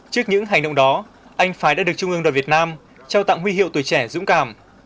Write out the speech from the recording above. trước những hành động đó anh phái đã được trung ương đoàn việt nam trao tặng huy hiệu tuổi trẻ dũng cảm